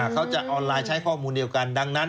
เขาจะออนไลน์ใช้ข้อมูลเดียวกัน